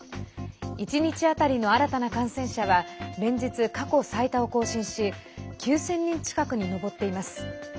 １日当たりの新たな感染者は連日、過去最多を更新し９０００人近くに上っています。